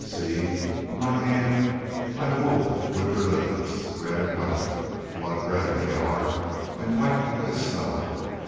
See, in my hand I hold winter lilies, red and white, blood red they are and white as snow.